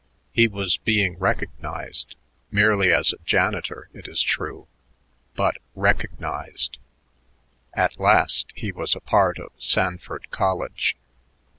He was being recognized, merely as a janitor, it is true, but recognized; at last he was a part of Sanford College.